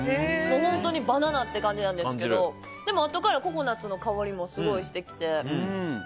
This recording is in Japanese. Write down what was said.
本当にバナナって感じですけどでも、あとからココナツの香りもすごいしてきて。